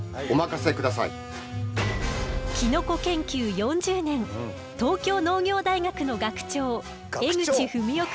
キノコ研究４０年東京農業大学の学長江口文陽くんよ。